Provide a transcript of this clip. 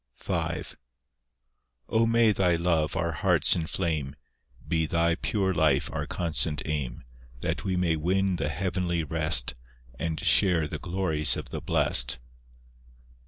V O may Thy Love our hearts inflame; Be Thy pure life our constant aim; That we may win the heavenly rest, And share the glories of the blest.